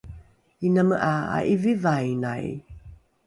iname ’a a’ivivainai